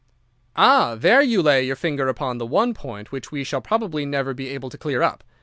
"'Ah, there you lay your finger upon the one point which we shall probably never be able to clear up.